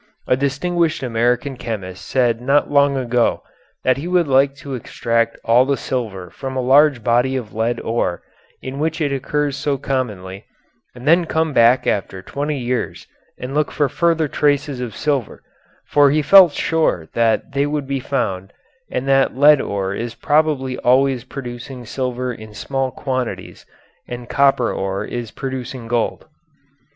A distinguished American chemist said not long ago that he would like to extract all the silver from a large body of lead ore in which it occurs so commonly, and then come back after twenty years and look for further traces of silver, for he felt sure that they would be found and that lead ore is probably always producing silver in small quantities and copper ore is producing gold.